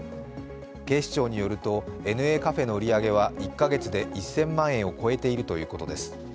警視庁によると、ＮＡカフェの売り上げは１か月で１０００万円を超えているということです。